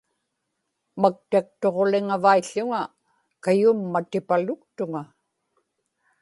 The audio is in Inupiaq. maktaktuġuliŋavaił̣ł̣uŋa kayummatipaluktuŋa